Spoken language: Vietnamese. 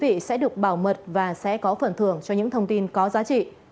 mọi thông tin của quý vị sẽ được bảo mật và sẽ có phần thưởng cho những thông tin có giá trị